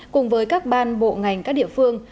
cùng với các ban bộ ngành các địa phương